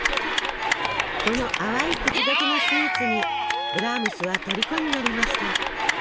この淡い口溶けのスイーツにブラームスはとりこになりました。